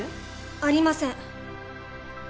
ありません。